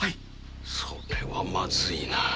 それはまずいな。